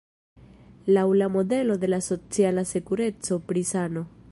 Laŭ la modelo de la "Sociala Sekureco" pri sano.